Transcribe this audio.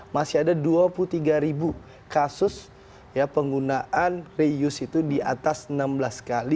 masih ada dua puluh tiga ribu kasus penggunaan reuse itu di atas enam belas kali